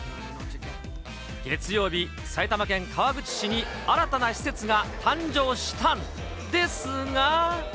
月曜日、埼玉県川口市に新たな施設が誕生したんですが。